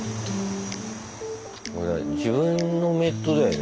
自分のメットだよね。